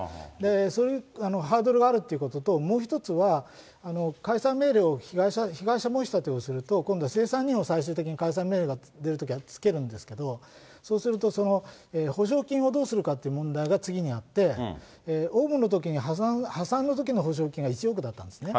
そういうハードルがあるということと、もう１つは、解散命令を被害者申し立てをすると、今度は清算人を解散命令が出るときは付けるんですけど、そうすると、その補償金をどうするかという問題が次にあって、オウムのときに破産のときの補償金が１億だったんですね。